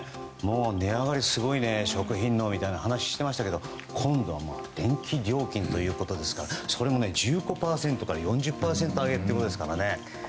値上がりすごいね、食品のと話していましたが今度は電気料金ということですからそれも１５％から４０％上げということですからね。